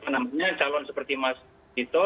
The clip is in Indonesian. namanya calon seperti mas dito